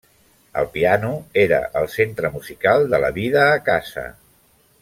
El piano era el centre musical de la vida a casa.